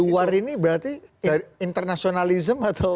luar ini berarti internasionalism atau